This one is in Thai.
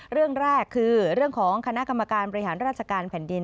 เรื่องแรกคือเรื่องของคณะกรรมการบริหารราชการแผ่นดิน